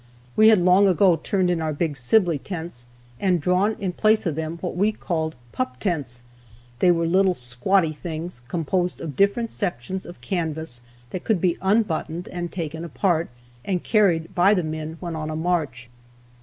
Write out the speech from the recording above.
We had long ago turned in our big Sibley tents, and drawn in place of them what we called "pup tents." They were little, squatty things, composed of different sections of canvas that could be unbuttoned and taken apart, and carried by the men when on a march.